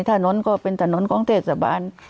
ถนนก็เป็นถนนของเทศบาล